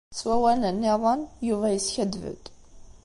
S wawalen-nniḍen, Yuba yeskaddeb-d.